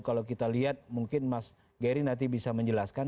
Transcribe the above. kalau kita lihat mungkin mas gary nanti bisa menjelaskan